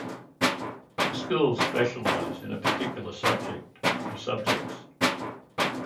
The schools specialize in a particular subject or subjects.